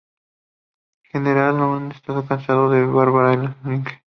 General Naumann está casado con Barbara Linke.